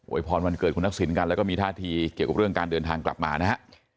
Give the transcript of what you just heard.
พรวันเกิดคุณทักษิณกันแล้วก็มีท่าทีเกี่ยวกับเรื่องการเดินทางกลับมานะฮะ